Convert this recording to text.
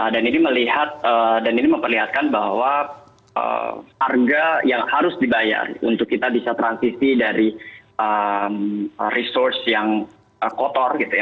dan ini melihat dan ini memperlihatkan bahwa harga yang harus dibayar untuk kita bisa transisi dari resource yang kotor gitu ya